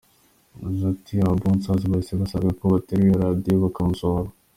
Yagize ati “Aba-bouncers bahise basabwa ko baterura Radio bakamusohora.